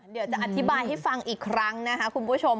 เดี๋ยวจะอธิบายให้ฟังอีกครั้งนะคะคุณผู้ชม